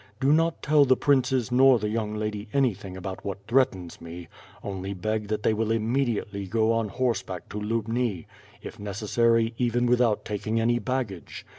Do not tell the princes nor the young lady anything about what threat ens me; only beg that they will immediately go on horseback to Lubni, if necessary even without taking any baggage.